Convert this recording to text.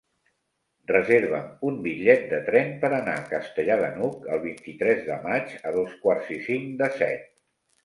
Reserva'm un bitllet de tren per anar a Castellar de n'Hug el vint-i-tres de maig a dos quarts i cinc de set.